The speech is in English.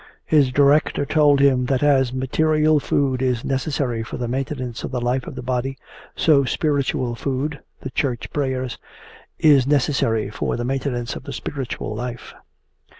His director told him that as material food is necessary for the maintenance of the life of the body, so spiritual food the church prayers is necessary for the maintenance of the spiritual life.